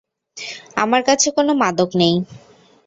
আমার কাছে কোনো মাদক নেই।